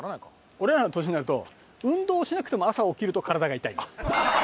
俺らの年になると運動しなくても朝起きると体が痛い。